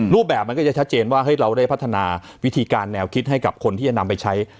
รูปแบบมันก็จะชัดเจนว่าเราได้พัฒนาวิธีการแนวคิดให้กับคนที่จะนำไปใช้